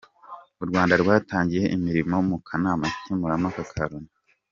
U Rwanda rwatangiye imirimo mu kanama k’Umutekano ka Loni